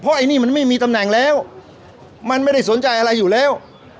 ไอ้นี่มันไม่มีตำแหน่งแล้วมันไม่ได้สนใจอะไรอยู่แล้ว